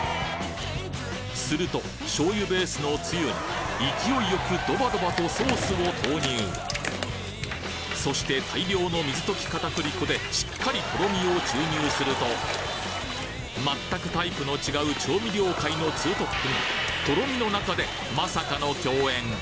すると醤油ベースのおつゆに勢いよくドバドバとそして大量の水溶き片栗粉でしっかりとろみを注入すると全くタイプの違う調味料界のツートップがとろみの中でまさかの共演！！